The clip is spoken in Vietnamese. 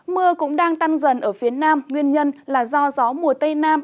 mưa cũng đang tăng dần ở phía nam nguyên nhân là do gió mùa tây nam